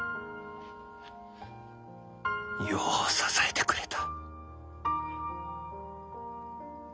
よう支えてくれた。